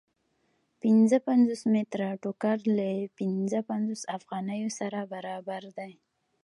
پنځه پنځوس متره ټوکر له پنځه پنځوس افغانیو سره برابر دی